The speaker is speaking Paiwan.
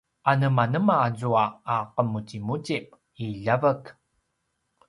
anemanema azua a qemuzimuzip i ljavek?